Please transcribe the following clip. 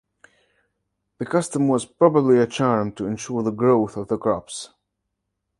The custom was probably a charm to ensure the growth of the crops.